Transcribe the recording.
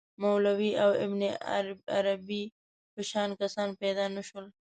مولوی او ابن عربي په شان کسان پیدا نه شول.